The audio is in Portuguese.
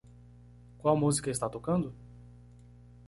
Qual música está tocando?